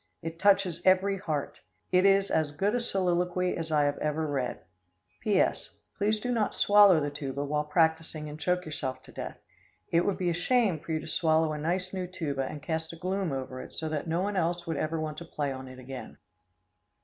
It touches every heart. It is as good a soliliquy as I ever read. P.S. Please do not swallow the tuba while practicing and choke yourself to death. It would be a shame for you to swallow a nice new tuba and cast a gloom over it so that no one else would ever want to play on it again.